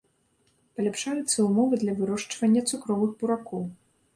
Паляпшаюцца ўмовы для вырошчвання цукровых буракоў.